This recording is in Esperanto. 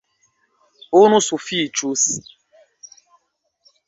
Unu sufiĉus.